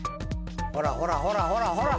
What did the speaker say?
ほらほらほらほらほら。